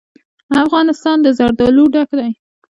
افغانستان له زردالو ډک دی.